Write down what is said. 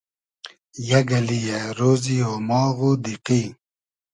یئگ اللی یۂ رۉزی اۉماغ و دیقی